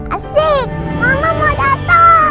asyik mama mau datang